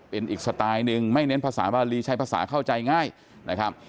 เป็นอีกสไตล์หนึ่งไม่เน้นภาษาบาลีใช้ภาษาเข้าใจง่ายนะครับ